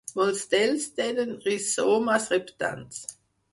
Molts d'ells tenen rizomes reptants.